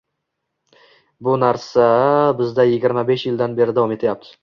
Bu narsa bizda yigirma besh yildan beri davom etyapti.